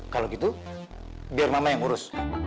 kalau gitu biar mama yang ngurus